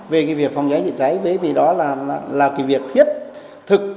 về cái việc phòng cháy chữa cháy bởi vì đó là cái việc thiết thực